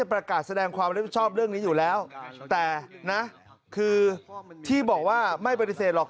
ประกาศแสดงความรับผิดชอบเรื่องนี้อยู่แล้วแต่นะคือที่บอกว่าไม่ปฏิเสธหรอก